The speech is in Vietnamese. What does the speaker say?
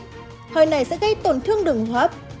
thời này sẽ gây tổn thương đường hợp